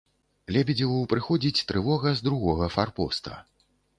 Лебедзеву прыходзіць трывога з другога фарпоста.